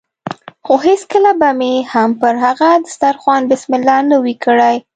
خو هېڅکله به مې هم پر هغه دسترخوان بسم الله نه وي کړې.